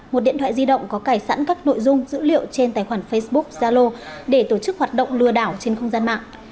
một điện thoại di động có cải sẵn các nội dung dữ liệu trên tài khoản facebook zalo để tổ chức hoạt động lừa đảo trên không gian mạng